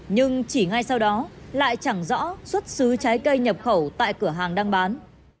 nhưng chỉ ngay sau đó lại chẳng rõ xuất xứ trái cây nhập khẩu tại cửa hàng đang bán